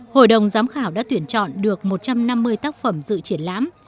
hội đồng giám khảo đã tuyển chọn được một trăm năm mươi tác phẩm dự triển lãm